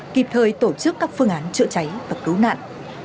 kịp thời tổ chức các phương án chữa cháy và cứu nạn